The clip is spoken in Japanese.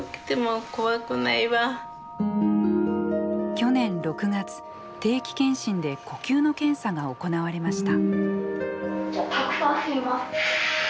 去年６月定期検診で呼吸の検査が行われました。